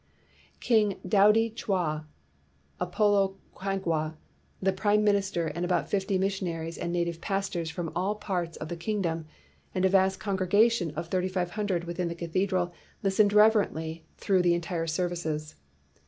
" King Daudi Chwa, Apolo Kagwa, the prime minister, and about fifty missionaries and native pastors from all parts of the kingdom and a vast congregation of 3,500 within the cathedral listened reverently through the entire services.